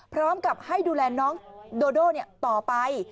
พร้อมกับให้ดูแลน้องโดโด่ต่อไป